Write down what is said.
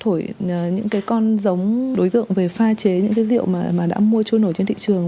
thổi những con giống đối tượng về pha chế những rượu đã mua trôi nổi trên thị trường